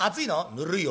「ぬるいよ」。